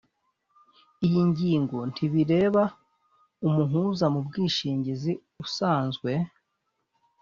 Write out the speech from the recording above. iyi ngingo ntibireba umuhuza mu bwishingizi usanzwe.